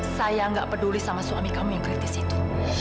saya nggak peduli sama suami kamu yang kritis itu